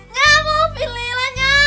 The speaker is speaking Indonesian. nya mau pilih lah nya